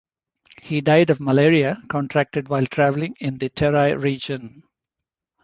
He died of malaria contracted while travelling in the Terai region.